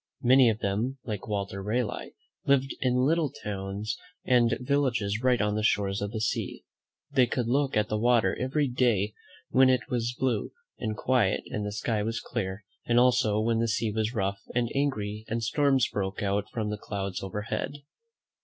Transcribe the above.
Many of them, like Walter Raleigh, lived in little towns and villages right on the shores of the sea. They could look at the water every day when it was blue and quiet and the sky was clear, and also when the sea was rough and angry and storms V 90 THE BOY WHO LOVED THE SEA ;■■.< >if.: broke out from the clouds overhead.